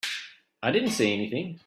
I didn't see anything.